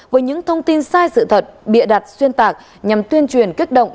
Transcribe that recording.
với những thông tin sai sự thật bịa đặt xuyên tạc nhằm tuyên truyền kích động